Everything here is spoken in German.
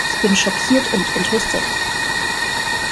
Ich bin schockiert und entrüstet.